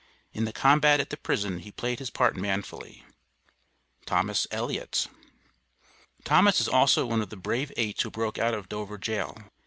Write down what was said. In the combat at the prison he played his part manfully. THOMAS ELLIOTT. Thomas is also one of the brave eight who broke out of Dover Jail.